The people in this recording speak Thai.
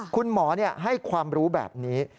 คุณหมอให้ความรู้แบบนี้